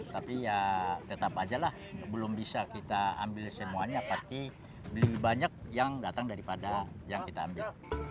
tapi ya tetap aja lah belum bisa kita ambil semuanya pasti lebih banyak yang datang daripada yang kita ambil